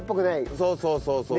そうそうそうそう。